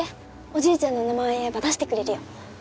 おじいちゃんの名前を言えば出してくれるよ。